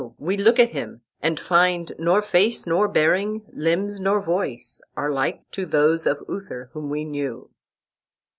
we look at him, And find nor face nor bearing, limbs nor voice, Are like to those of Uther whom we knew."